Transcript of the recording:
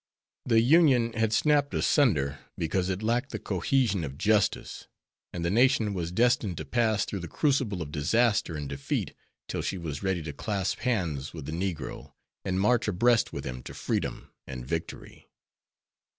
The Union had snapped asunder because it lacked the cohesion of justice, and the Nation was destined to pass through the crucible of disaster and defeat, till she was ready to clasp hands with the negro and march abreast with him to freedom and victory.